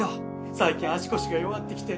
最近足腰が弱ってきて。